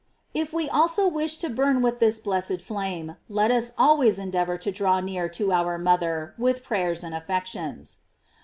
If we also wish to burn with this blessed flame, let us always endeavor to draw near to our mother with prayers and affections.